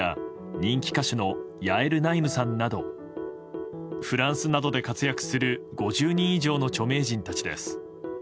人気歌手のヤエル・ナイムさんなどフランスなどで活躍する５０人以上の著名人たちです。